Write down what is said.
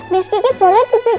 mau jaga anggur yang mana